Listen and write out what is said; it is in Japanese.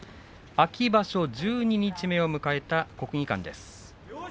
秋場所十二日目を迎えた国技館です。